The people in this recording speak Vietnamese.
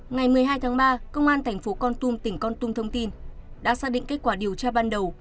ngày một mươi hai tháng ba công an thành phố con tum tỉnh con tum thông tin đã xác định kết quả điều tra ban đầu